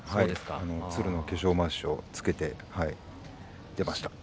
鶴の化粧まわしをつけて出ました。